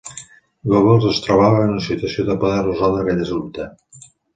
Goebbels es trobava en situació de poder resoldre aquell assumpte.